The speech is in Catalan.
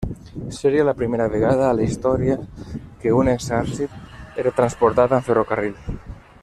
Seria la primera vegada a la història que un exèrcit era transportat amb ferrocarril.